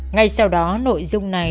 ngay sau đó nội dung này